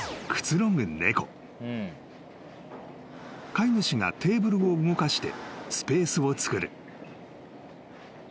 ［飼い主がテーブルを動かしてスペースを作る］